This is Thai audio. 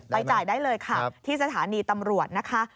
จ่ายได้เลยค่ะที่สถานีตำรวจนะคะ